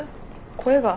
声が。